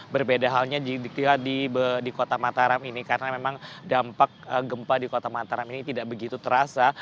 berbeda halnya di kota mataram ini karena memang dampak gempa di kota mataram ini tidak begitu terasa